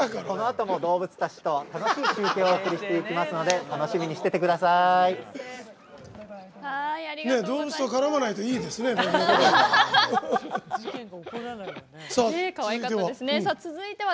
このあとも動物たちと楽しい中継をお送りしますので楽しみにしていてください。